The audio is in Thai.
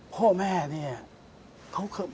พ่อแม่เนี่ย